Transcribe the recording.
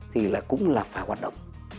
thì là cũng là phải hoạt động